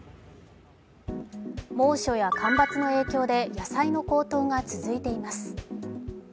猛暑や干ばつの影響で野菜の高騰が続いています。